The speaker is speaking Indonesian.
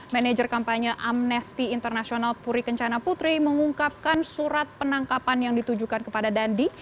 manager kampanye amnesty international puri kencana putri mengungkapkan surat penangkapan yang ditujukan kepada dandi